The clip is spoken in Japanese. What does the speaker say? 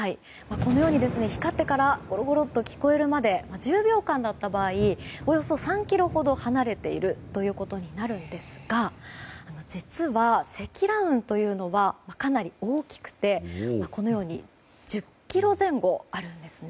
このように光ってからゴロゴロと聞こえるまで１０秒間だった場合およそ３ｋｍほど離れているということになるんですが実は、積乱雲というのはかなり大きくてこのように１０ｋｍ前後あるんですね。